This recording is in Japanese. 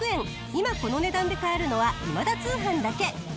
今この値段で買えるのは『今田通販』だけ。